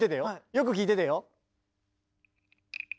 よく聴いててよ。